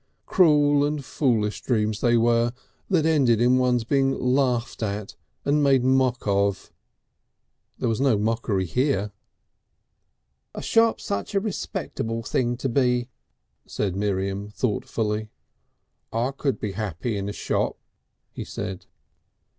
Cruel and foolish dreams they were, that ended in one's being laughed at and made a mock of. There was no mockery here. "A shop's such a respectable thing to be," said Miriam thoughtfully. "I could be happy in a shop," he said.